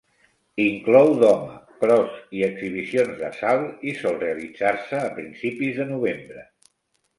Inclou doma, cros i exhibicions de salt i sol realitzar-se a principis de novembre.